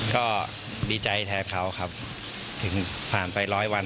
ก็ดีใจแทนเขาครับถึงผ่านไปร้อยวัน